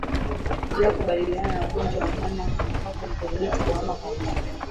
Njia ya kukabiliana na ugonjwa wa homa ya mapafu ni kudhibiti kuhama kwa wanyama